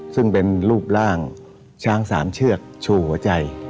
ซึ่งเป็นรูปร่างช้างสามเชือกชูหัวใจ